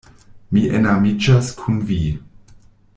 Mi enamiĝas kun vi!